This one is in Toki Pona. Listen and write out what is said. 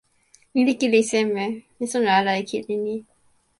ni li kili seme? mi sona ala e kili ni.